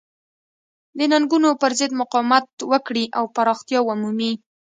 د ننګونو پرضد مقاومت وکړي او پراختیا ومومي.